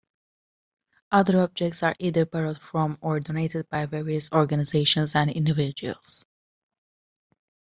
Other objects are either borrowed from or donated by various organizations and individuals.